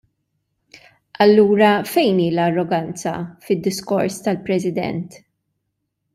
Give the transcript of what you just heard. Allura fejn hi l-arroganza fid-Diskors tal-President?